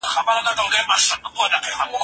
شرنګاشرنګ به د رباب او د پایل وي